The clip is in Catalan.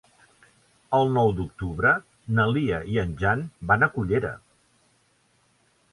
El nou d'octubre na Lia i en Jan van a Cullera.